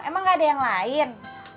emang gak ada yang lain